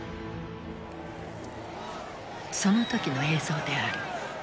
その時の映像である。